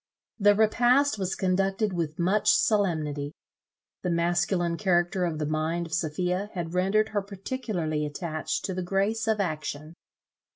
The repast was conducted with much solemnity. The masculine character of the mind of Sophia had rendered her particularly attached to the grace of action.